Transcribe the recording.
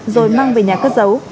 rồi mang về nhà cất giấu